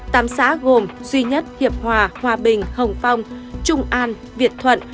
tám xã gồm duy nhất hiệp hòa hòa bình hồng phong trung an việt thuận